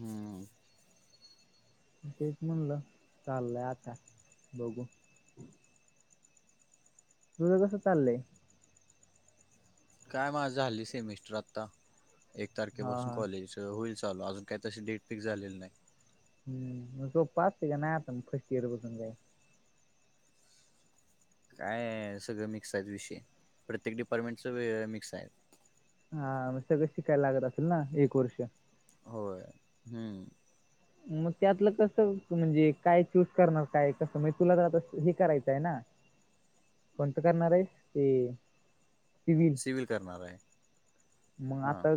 हम्म. तेच म्हणलं चाललंय आता बघू. तुझर कसं चालले. काय माझ झाली सेमिस्टर आता एक हा तारखेपासून हा कॉलेज होईल ल अजून काही तशी डेट फिक्स झालेला नाही. हम् मग जो पाच का नाही आता म फर्स्ट इअर बसून जाई. काय सगळं मिक्स आहेत विषय प्रत्येक डिपार्टमेंटच मिक्स आहे. हा म सगळं शिकायला लागत असेल ना एक वर्ष होय हम्म. मग त्यातलं कसं म्हणजे काय चूस करणार काय कस म्हणजे तुला तर आता हे करायचं आहे ना. [unintelligible] कोणत करणार आहे की सिविल सिव्हिल करणार आहे मग हां आता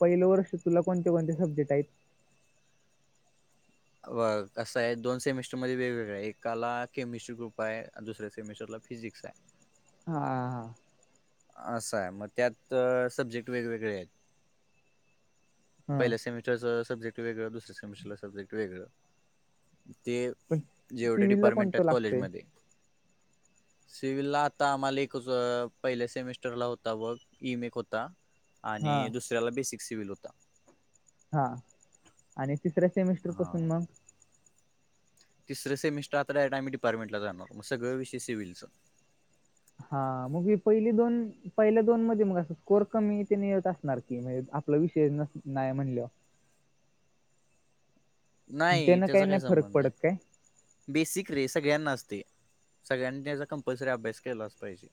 पहिले वर्ष तुला कोणते कोणते सब्जेक्ट आहेत. व असं आहे दोन सेमिस्टरमध्येध्ये वेगवेगळ्या एकाला केमिस्ट्री ग्रुप आहे दुसऱ्या सेमिस्टरला फिजिक्सा आहे. हा हा. असा आहे मग त्यात सब्जेक्ट वेगवेगळे आहेत हा पहिल्या सेमिट र सब्जक् वेगं दुस्या समिस्टरला सब्जक्ट वेगं. ते पण जेवढे सिव्हिल ला डिपार्टमेंट कोणतं आहेत लागतंय कॉलेजमध्येध्ये शिवल्ला ता मलिक पहिल्या सेमेस्टरला होता व ईमेक होता हा आणि दुसऱ्याला बेसिक सिव्हल होता. हा आणि तिसऱ्या सेमिस्टर हा पासून मग तिसं सेमिस्र आता आम िपार्टमें ला जाणारगळंष सि्हलचं. हा मगी पहिली दोन पहिल्या दोन मध्ये मग अस स्कोर कमी ते यत असणार की म्हणजे आप विषय नाही म्हणल. मग नाही त्यानं काही त्याचा काय नाही फरक संबंध पडत आहे. काय बेसिक रे सगळ्यांना असते सगळ्यांनी त्याचा कंपल्सरी अभ्यास केलाच पाहिजे.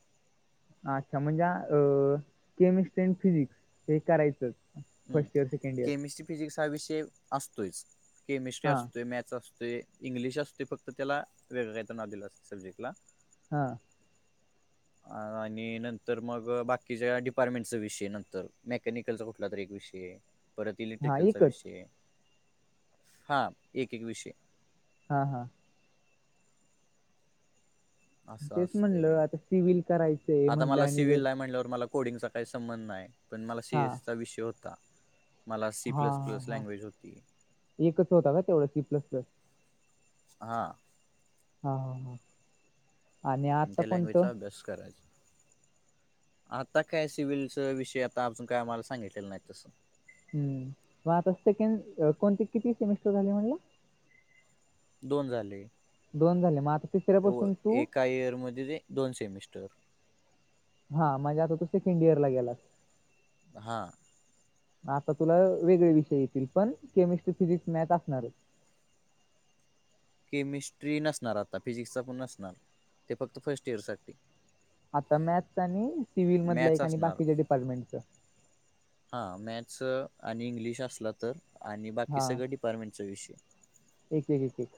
अच्छा म्हणजे अ केमिस्ट्री अड फिजिक्स हे करायचंच. ह first year second year chemistry physics हा विषय असतोयच केमिस्ट्री हा असतोय मॅथ्स असतो. ते इंग्लिश अस ते फक्त त्याला वेगळं काही तर ना दिलं असते सब्जेक्टला हा. आणि नंतर मग बाकीच्या डिपार्टमेंटचा विषय नंतर मेकनिक याचा कुठला तरी एक विषय परत हा इलेक्ट्रिकलचा एकच विषय हा एक, एक विषय. हा, हा. असं तेच म्हणलं असतय. आता सिव्हल करायचंय आता म्हटलं मला आणि जर सिविल ला आय म्हटल्यावर मला कोडिंगचा काही संबंध नाही, पण मला हा सीएसचा विषय होता. मला सी हा प्लस हा प्लस हा लँग्वेज होती. एकच होता का तेवढा सी प्लस प्लस हां. हा हा हा. आणि आता त्या कोणतं लँग्वेजचा अभ्यास करायचा. आता काय, सिव्हिलच विषय, आता अजून काय आम्हाला सांगितलं नाही तसं. मग आता सेकंड, कोणते किती सेमिस्टर झाले म्हणला? दोन झाले‌. दोन झाले,, म आताऽ होय,, एका इयरमध्ये दोन सेमिस्टर. हा,, मनजे आतातु सेकेंड ईयर ला गेलास. हां, आता तुला वेगळे विषय येतील,, पण केमिस्ट्री, फिजिक्स, मॅथ असणारच. केमिस्ट्री नसणार आता,, फिजिक्सचा पण नसणार, ते फक्त फर्स्ट इयर साठी. आता मॅथ्स आणि सिव्हिल मधलं मॅथ्स एक,, आणि असणार बाकीच्या डिपार्टमेंटच.. हां,, मॅथ्स आणि इंग्लिश असला तर आणि बाकी हा सगळं डिपार्टमेंटचा विषय. एक, एक, एक एक.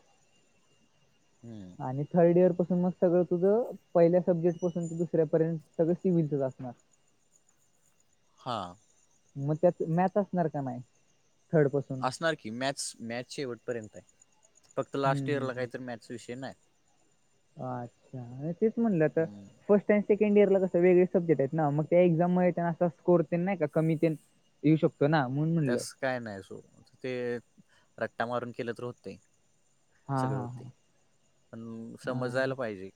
हम्म, आणि थर्ड इयर पासून मग सगळं तुझं, पहिल्या सब्जेक्ट पासून ते दुसऱ्यापर्यंत सगळं सीव्हीलचच असणार. हां, मग त्यात मॅथ असणार का नाही? थर्ड पासूनऽ आसनार की,, मॅथ, मॅथ शेवटपर्यंत आहे, फक्त हम्म, लास्ट हम्म, इयरला काहीतर मॅथ विषय नाही. अं,, आणि तेच म्हणलं तर. हम्म. फर्स्ट आणि सेकंड इयरला कसं,, वेगळ सब्जेक्ट आहेत ना, मग त्या एक्झाम म अस स्कोर ते नाही का कमी तन ऽ देऊ शकतो ना,, म्हणून म्हणलं. त्यास काय नाही असोत,, ते रक््टा मारून केलं,, तरी होतंय. हा सगळ हा हा होतय,, पण समजायला हा पाहिजे,,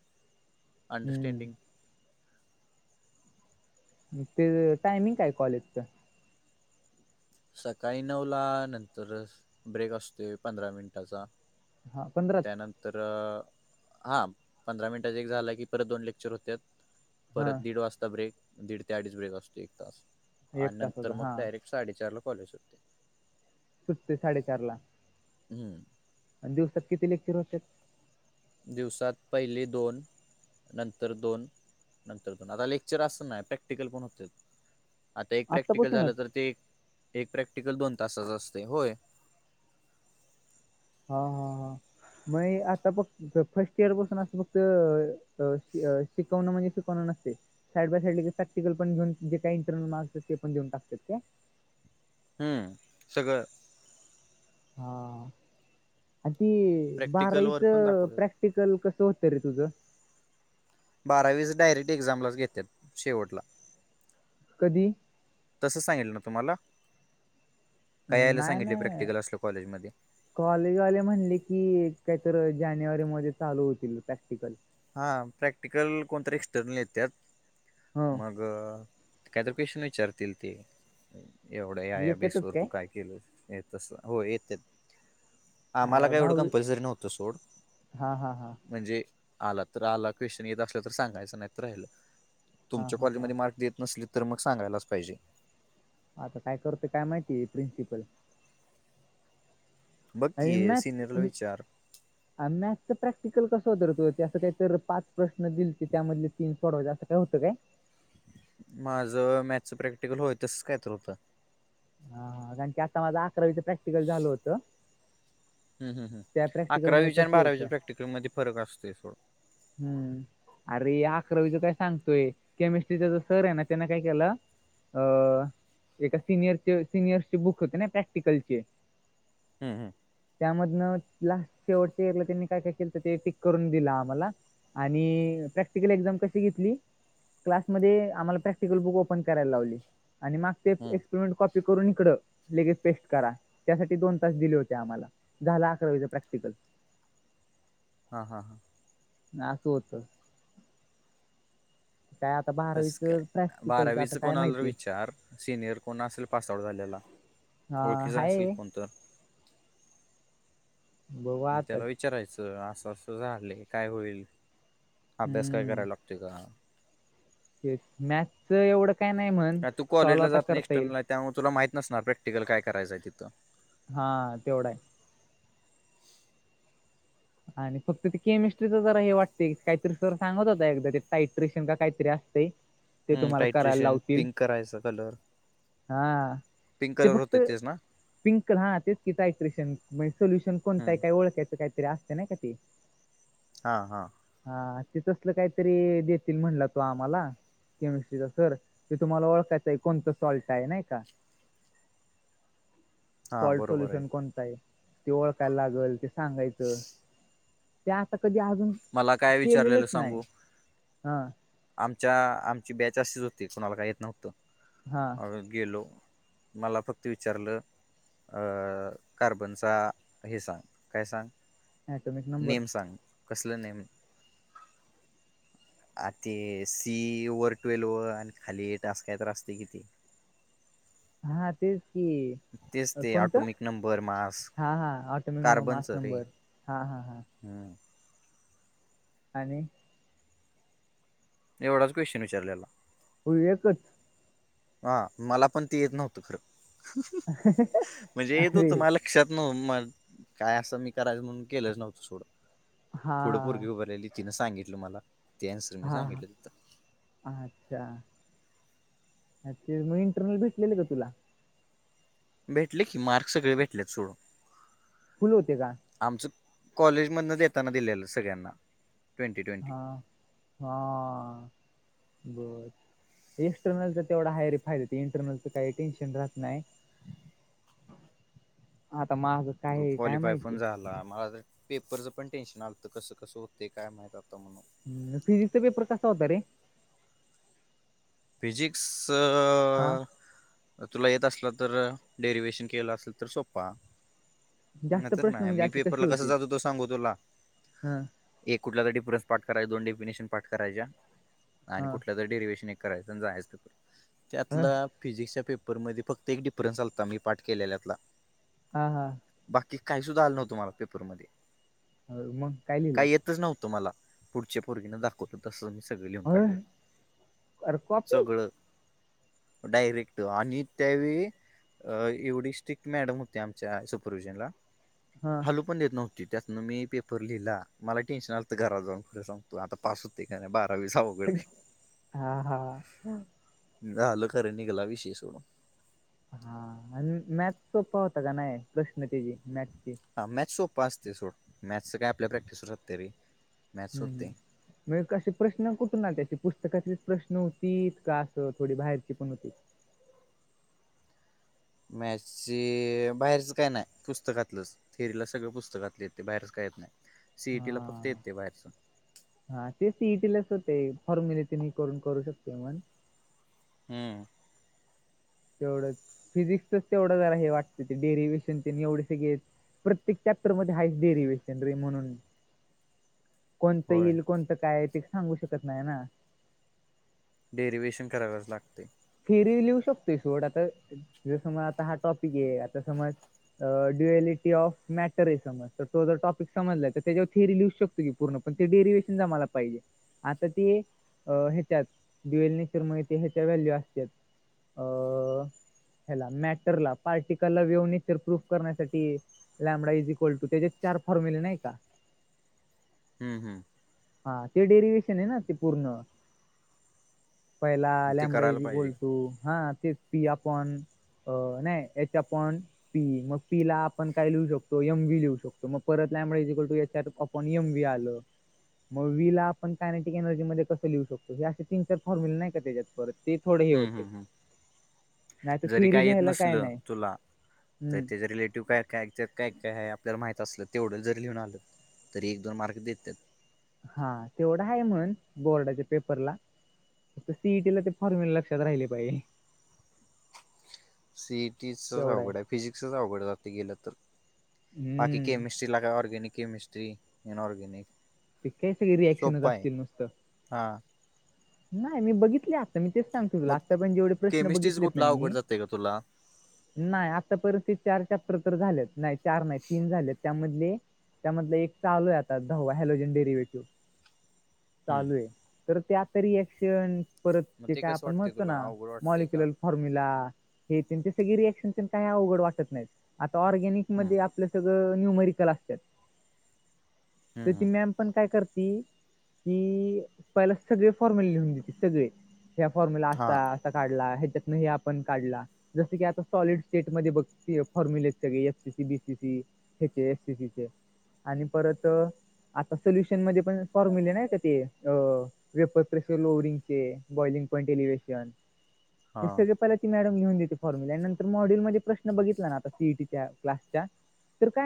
अंडरस्टँडिंगऽ हम्म तेज,, टायमिंग काय कॉलेजचं? सकाळी नऊ ला, नंतर ब्रेक असतोय पंधरा मिनिटाचा. हा पंधराच त्यानंतर,, हा, पंधरा मिनिटाच एक झाला की परत दोन लेक्चर होत्यात. हा परत दीड वाजता ब्रेक,, दीड ते अडीच ब्रेक असतोय एक तास,, एक आणि नंतर तासाचा हा मग डायरेक्टऽ साडेचार ला कॉलेज सुटतय. सुटतय साडेचार ला. हम्म, आणि दिवसात किती लेक्चर होत्यात? दिवसात पहिले दोन. नंतर दोन, नंतर दोन, आता लेक्चर असं नाय, प्रॅक्टिकल पण होतय. आता एक प्रॅक्टिकल आत्तापासूनच झालं तर, ते एक प्रॅक्टिकल दोन तासाच असतय,,, होय. हा हा, हा, मग आता फक् फर्स्ट इयर पासून असत फक्तऽ अ शिकवणं म्हणजे शिकवणं नसतय. साईड बाय साईड प्रॅक्टिकल पण घेऊन, जे काही इंटरल मार्क्स ते पण,, देऊन टाकतात काय? हम्म,, सगळं. हा,, आणि ती प्रॅक्टिकल बारवीच, वर्क पण दाखवतात. प्रॅक्टऽ टिकल कस होतं र तुझं बारावीस डायरेक्ट एक्झामलाच घेतात शेवटला कधी? तसं सांगितल तुम्हाला? का यायला नाही सांगितलय, नाही प्रॅक्टिकल असलं कॉलेजमध्येऽ कॉलेजवाले म्हणले, की कायतर जानेवारी मधे चालू होतील प्रॅक्टिकल. हा प्रॅक्टिकल कोणतरी एक्स्टर्नल येत्या ह मग अ काय लोकेशन विचारतील ते एवढं या या बेस वर तू काय तस हो येत आ मला अ काय एवढं दहावी कंपल्सरी नव्हतं सोड हा हा हा म्हणजे आला तर आला क्वेश्चन येत असल्या तर सांगायचं नाहीत राहिलं हा तुमच्या हा कॉलेजमध्ये हा मार्क देत नसले तर तर मग सांगायलाच पाहिजे आता काय करतेय काय माहिती प्रिन्सिपल बघ आणि की मॅथ सिनियरला विचार मॅथच प्रॅक्टिकल कसं होतं तु ते असं काही तर पाच प्रश्न दिलेते त्यामधले तीन पडवा असं काय होतं काय माझ मॅथच प्रॅक्टिकल होय तसच काय तर होतं हा कारण की आता माझं अकरावीच प्रॅक्टिकल झालं होतं ह् ह त्या प्रॅक्टिकल मध्ये अकरावीच्या आणि तसं होतं. बारावीचा प्रॅक्टिकलमध्येध्ये फरक असतोयथोडं हम्म अरे अकरावीच काय सांगतोय केमिस्ट्रीचा ज सर आहे ना त्याने काय केलं अ एका सिनियरचे सिनियरचे बुक होते ना प्रॅक्टिकलचे हम् हम त्यामधनं लास्ट शेवटच्या एरला त्यांनी काय काय केलं तर ते पक करून दिला आम्हाला आणि प्रॅक्टिकल एक्झाम कशी घेतली क्लासमध्ये आम्हाला प्रॅक्टिकल बुक ओपन करायला लावले आणिग हम्म. ते कॉपी करून इकडं लेग पेस्ट करा त्यासाठी दोन तास दिले होते आम्हाला दहाला अकरा वजच प्रॅक्टिकल हा हा हा अस असं होतो काय आता तस बारावीचं काय प्रॅक्टिकलचं बारावीच आता काय कोणाला माहिती विचार सिनियर कोण असेल पासआउट झाल्याला हा ओळखीचा असेल हाय कोणत बघू आताच त्याला विचारायचं असं असं झाले काय होईल अभ्यास काय हम्म करायला लागतो िक मॅथच एवढं काय नाही म्हण का तू सॉल्व कॉलेजला आता जात नाही करता येईल एक्सटर्नल आहे त्यामुळे तुला माहत नसणार प्रॅक्टिकल काय करायचं तिथं हा तेवढा आहे आणि फक्त ते केमिस्ट्रीचं जर हे वाटते काहीतरी सर सांगत होता एकदा ते टायट्रिशिन काहीतरी असत ते हम् तुम्हाला करायला टायट्रिशियन लावतील पिंक करायचा कलर हा पिंक ते कलर फक्त होते तेच ना पिंक कल हा तेच कि टयक्रेशनणे सोल्यश हम्म कोणताय ओळखयचं काय असते ना कतीी हा हा हा ते तसलं काहीतरी देतील म्हणला तो आम्हाला केमिस्ट्रीचा सर ते तुम्हाला ओळखयचं आहे कोणतं सॉल्ट आहे नाही का [unintelligible] सॉल्ट सोल्युशन कोणता आहे ते ओळखायला लागल ते सांगायचं ते आता कधी अजून मला काय विचारलेलं केलेलंच नाही सांगू हा आमच्या आमची बॅच अशीच होती कोणाला काही येत नव्हतं हा गेलो मला फक्त विचारलं कार्बनचा हे सांग काय सांग ॲटोमिक नंबर नेम सांग कसलं नेम आ ते सी वर ट्वेल्व व आणि खाली ए ट अस काय तर असते किती हा तेच की तेच ते कोणतं ऑटोमिक नंबर मास हा हा ऑटोमेिक नंबर माच कार्बनच रे नंबर हा हा हा हम्म आणि एवढा क्वेशन विचारलेला हो एकच हा मला पण ते येत नव्हत खरं म्हणजे येत अरे होतं मला लक्षात नव मग काय असं मी करायचं म्हणून केलंच नव्हतं सोडं हा पुथडं परगी उभर राहिली तिनं सांगितलं मला त्यानुसर मी हा हा सांगितलं त अच्छा अचछ मी इंटरनल भेटलेले ग तुला. भेटले की मार्कस सगळे भेटलेत सोडून. फुल होते का. आमचं कॉलेजमधनच येताना दिलेलं सगळ्यांना ट्वेंटी ट्वेंटी. हा ब. एक्स्टर्नलचा तेवढा आहेय रे फायदा हो इंटर्नलचं काही टेन्शन राह नाही. [inaudible] हाता माझ. ग्रुप क्वालिफाय पण झाला मला तर. पेपरचं पण टेन्शन आलंत कसं कसं होते काय माहित आता म्हणून. ह फिजिक्स चा पेपर कसा होत रे. फिजिकिक्स. हा तुला येत असला तर डेरिवे्शन केलं असेल तर सोपपा. नाही जास्त तर प्रश्न नाही म्हणजे मी असे पेपरला कसे कस होते जातो तो सांगू तुला. हा एक कुठला तर डफरनस पाठ कराय दोन डेफिनेशन पाठ करायच्या आणि हा कुठल्या तर डेरिवेशन. करायच जायचं तर अ त्यातलं. फिजिक्सच्या पेपरमध्येध्ये फक्त एक डिफरन्स चाता मी पाठ केलेल्यातला. हा हा. बाकी काही सुद्धा आलं नव्हतुम्हाला पेपरमध्येध्ये. हो मग काय लिला. नव्हतं मला पुढच्या पोर्गीन दाखवतो तसं मी सगळे लिहून अ काढले. अरे कॉपी सगळं डायरेक्ट आणि त्यावे अ एवढी स्ट्रिक्ट मॅडम होती आमच्या सुपरवि्हजनला हा हॅलो. पण देत नव्हती त्यातन मी पेपर लिहिला मला टेन्शन लागत घरात जाऊन खरं सांगतो आता पास होते का नाही बारावीस. हा हा. हलो खरं निघाला विषय सोडून. हा आणि मॅथ सोपा होता का नाही प्रश्न त्याचीी मॅथची. हा मॅथ सो असते सो मॅथच काय आपल्या प्रॅक्टिसतात तरी. हम्म हम्. म असे प्रश्न कुठून ना त्या पुस्तकचेच प्रश्न होतीच का असं थोडी बाहेरची पण होती. मॅचचे बाहेरच काय नाही पुस्तकातलंच. थिअरीला सगळं पुस्तकातले येते बाहेरच काहीेत नाही सीईटी ला फक्त हा येते बाहेरच. हा तेच इथच होते फॉर्मलिटी मी करून करू शकतो मण हम्म. तेवढंच फिजिक्सच तेवढं जरा हे वाटतं ते डेरिवे्शन ते एवढे सग प्रत्येक चॅप्टर मध्ये हायस्ट डेरिवेशनरी म्हणून [inaudible] कोणतं होय येईल कोणतं काय आहे ते सांगू शकत नाही ना डेरिवे्हेशन करावच लागते. फेरी लिहू शकतोय शोट आता जस म आता हा टॉपिक आहे आता समज ड्युएलिटी ऑफ मॅटर आहे समज. तर तो जर टॉपिक समजला तर त्याच्या थअरी लिहूको की पूर्ण ते डेरिवेएशन जामाला पाहिजे. आता ती अ ह्याच्यात दिवेलनेशर माग ह्याच्या व्हॅल्यू अस [unintelligible] ह्याला मॅटर ला पार्टिकल ला व्यऊन तर प्रूफ करण्यासाठी. आंबा इझी कोलतू त्याच्यात चार फॉर्म्युले नाही का. हम्म हम्. हा ते डेरिवेएशन आहे ना ते पूर्ण. पहिला ते लॅंबडा करायला पाहिजे बोल तू हा तेच पी आपण. अ नाही याच्या पण पी मग पीला आपण काय लिऊ शकतो यमवी लिहू शकतो मग परत लमुळे तू याच्यात. पनियम बी आल. मग वीला आपण कायनेटिक एनर्जी म कं लिहू शकतो हे असे तीन चार फॉर्म्युले नाही का त्याच्यात पर ती थोडी ह हम्म होते. हम्म हम्म नाही तर जरी थेअरी काय येत लिहायला नसल नाही तुला तर हम्म त्याचा रिलेटिव्ह काय काय? काय काय आहे आपल्याला माहित असलं तेवढं जरी लिहून आलं तरी एक दोन मार्क देतात. हा तेवढा आहे म्हणून बोर्डाच्या पेपरला सीईटी ला ते फॉर्म्युल लक्षात राहिले पाहिजे. सीईटीचच अवघड आहे फिजिक्सचच अवघड जाते गेलं तर बाकी हम्म केमिस्ट्री लागय ऑर्गेनिक केमिस्ट्री ननऑर्गेनिक ते काही सगळे रिॲक्शनच असतील नुसतं. हां. नाही मी बघितले आत्ता मी तेच सांगतेो तुला मग आत्ता पण जेवढे प्रश्न केमिस्ट्रीच बघितलेत ना कुठला अवघड मी जाते का तुला नाही आता परिस्थिती चार चॅप्टर तर झालेत नाही चार नाही तीन झालेत. त्यामधले त्यामधले एक चालू आहे आता दवा हलोजन डरिवेटिव चालू हम्म आहे तर त्या आत रिएक्शन परत मग ते काय कसं आपण वाटतंय म्हणतो तुला ना अवघड वाटतंय का मॉलिक्युल फॉर्म्यला हे त्यांचे सगळे रिएक्शन काही अवघड वाटत नाही आता हम्म ऑर्गॅनिकमध्ये आप सगळ न्यूमरल असत हम्म हम्म. तरॅ. ण काय कर कि प सगळे फॉर्मॅल लिहून देत सगळे. ह्या फॉर्म्युला हा असता असा काढला ह्याच्यातन हे आपण काढला. जसं की आता सॉलिड स्टेट मध्ये बघते फॉर्म्युले सग एफसीसी बीसीसी ख बीएसीचे आणि परत आता सोल्युशन मध्ये पण फॉर्म्युले नाही का ते वेपर प्रेशर लोवरिंग चे बॉलिंग पॉंट एलिवेशन हे हा सगळे. र मड प्रश बलाईटीच्या क्य